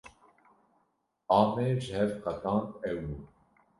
A me ji hev qetand ew bû.